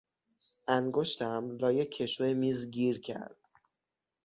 انگشتم لای کشو میز گیر کرد.